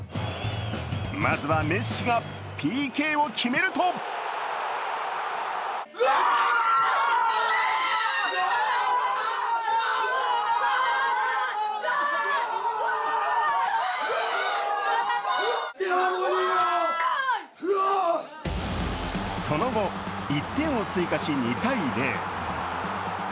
まずはメッシがＰＫを決めるとその後、１点を追加し２−０。